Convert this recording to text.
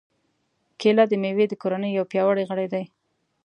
کېله د مېوې د کورنۍ یو پیاوړی غړی دی.